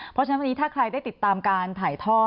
เพราะฉะนั้นวันนี้ถ้าใครได้ติดตามการถ่ายท่อ